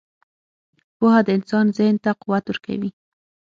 • پوهه د انسان ذهن ته قوت ورکوي.